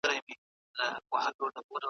شمېر ویډیوګاني سته، چي د تاوتریخوالي شدت او